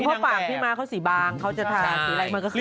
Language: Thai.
แต่จริงเพราะปากพี่มาเขาสีบางเขาจะทาสีอะไรมันก็ขึ้น